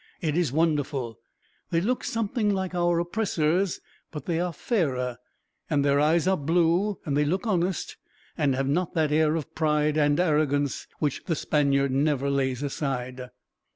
It is wonderful. They look something like our oppressors, but they are fairer, and their eyes are blue; and they look honest, and have not that air of pride, and arrogance, which the Spaniard never lays aside.